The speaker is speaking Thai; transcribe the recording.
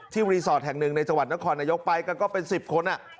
รีสอร์ทแห่งหนึ่งในจังหวัดนครนายกไปกันก็เป็น๑๐คน